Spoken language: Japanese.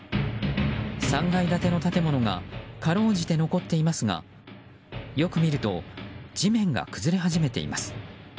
３階建ての建物が辛うじて残っていますがよく見ると地面が崩れ始めています。